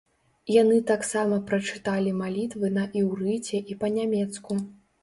Яны таксама прачыталі малітвы на іўрыце і па-нямецку.